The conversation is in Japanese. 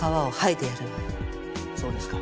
そうですか。